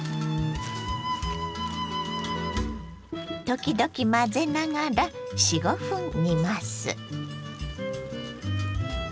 時々混ぜながら４５分煮ます。